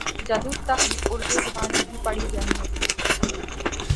جدوں تک اُردو زبان لیخی پڑھی جانی ہوسی